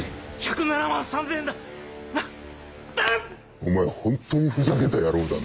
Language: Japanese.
お前ホントにふざけた野郎だな。